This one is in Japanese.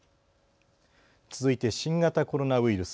続いて新型コロナウイルス。